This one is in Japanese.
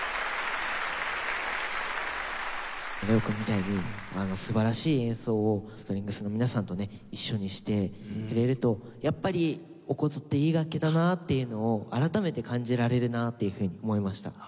ＬＥＯ君みたいに素晴らしい演奏をストリングスの皆さんとね一緒にしてくれるとやっぱりお箏っていい楽器だなっていうのを改めて感じられるなっていうふうに思いました。